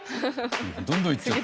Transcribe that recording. どんどんいっちゃう。